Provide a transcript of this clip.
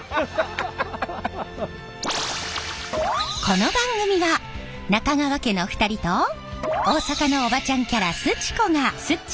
この番組は中川家の２人と大阪のおばちゃんキャラすち子が